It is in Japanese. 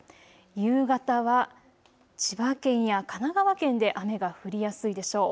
夕方は千葉県や神奈川県で雨が降りやすいでしょう。